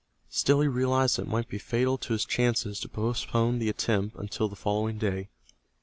Still he realized that it might be fatal to his chances to postpone the attempt until the following day.